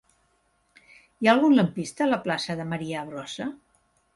Hi ha algun lampista a la plaça de Marià Brossa?